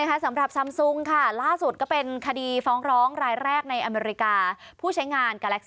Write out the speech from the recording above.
ปรากฏระเบิดใส่ขา